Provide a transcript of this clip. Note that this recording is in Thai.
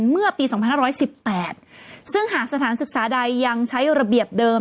เมื่อปี๒๕๑๘ซึ่งหากสถานศึกษาใดยังใช้ระเบียบเดิม